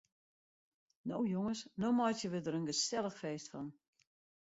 No jonges, no meitsje we der in gesellich feest fan.